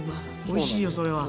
おいしいよそれは。